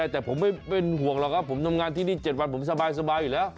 แต่ผมไม่เป็นห่วงหรอกครับผมทำงานที่นี่๗วันผมสบายอยู่แล้ว